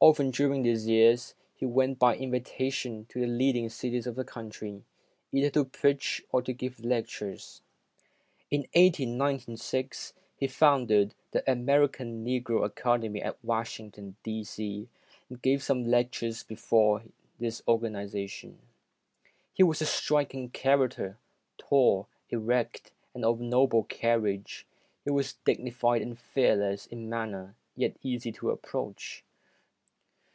Often during these years, he went by invitation to the leading cities of the country, either to preach or to give lectures. In 1896, he founded "The American Negro Academy" at Washington, D. C., and gave some lectures before this or ganization. 266 ] UNSUNG HEROES He was a striking character, tall, erect and of noble carriage. He was dignified and fearless in manner, yet easy to approach.